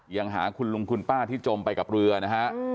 ยังหาคุณลุงคุณป้าที่จมไปกับเรือนะฮะ